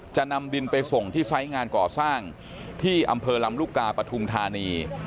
จะนำดินไปส่งที่ไซส์งานก่อสร้างที่อำเภอลำลูกกาปฐุมธานี